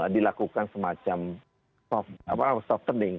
dilakukan semacam softening